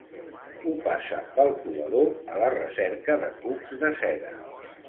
Ho passa pel colador, a la recerca de cucs de seda.